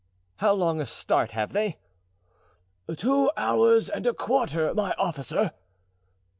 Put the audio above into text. "How long a start have they?" "Two hours and a quarter, my officer."